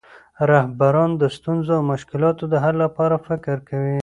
رهبران د ستونزو او مشکلاتو د حل لپاره فکر کوي.